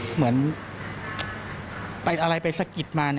เหมือนไปอะไรไปสะกิดมา